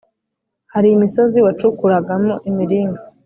Hari imisozi wacukuramo imiringa.